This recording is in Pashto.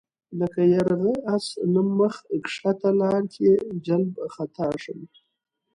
لکه یرغه آس نه مخ ښکته لار کې جلَب خطا شم